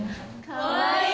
かわいい！